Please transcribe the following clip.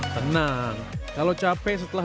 tenang kalau capek setelah